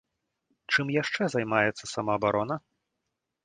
Чым яшчэ займаецца самаабарона?